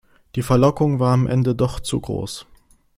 Die Verlockung war am Ende doch zu groß.